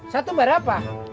satu bar apa